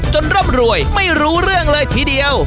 ร่ำรวยไม่รู้เรื่องเลยทีเดียว